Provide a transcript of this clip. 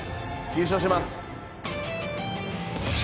優勝します！